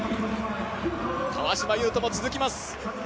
川島悠翔も続きます。